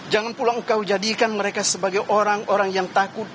jangan pulang engkau jadikan mereka sebagai orang orang yang takut